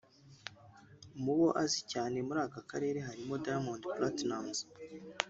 Mu bo azi cyane muri aka karere harimo Diamond Platnumz